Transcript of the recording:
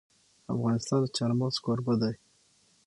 افغانستان د چار مغز کوربه دی.